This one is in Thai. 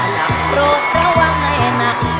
อย่างโปรดระวังให้หนัก